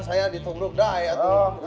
saya ditunggu dah ya tuh